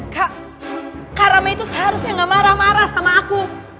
kak karame itu seharusnya gak marah marah sama aku